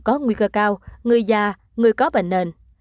có nguy cơ cao người già người có bệnh nền